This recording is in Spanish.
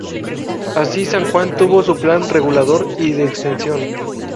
Así San Juan tuvo su plan regulador y de extensión.